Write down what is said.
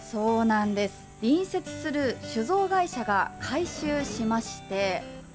隣接する酒造会社が改修しまして。